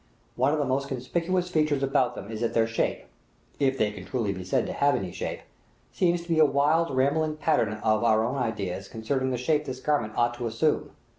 One of the most conspicuous features about them is that their shape if they can truthfully be said to have any shape seems to be a wild, rambling pattern of our own ideas concerning the shape this garment ought to assume.